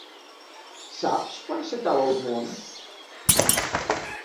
Saps quan s'acaba el món?